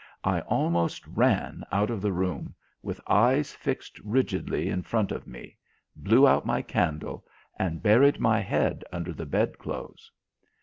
I almost ran out of the room, with eyes fixed rigidly in front of me, blew out my candle, and buried my head under the bedclothes.